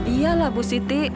iya lah bu siti